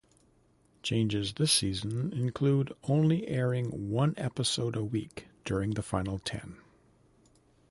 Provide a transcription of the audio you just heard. Changes this season include only airing one episode a week during the final ten.